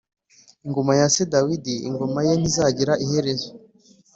ingoma ya se dawudi, ingoma ye ntizagira iherezo.